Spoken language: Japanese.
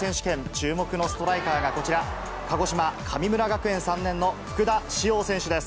注目のストライカーがこちら、鹿児島・神村学園３年の、福田師王選手です。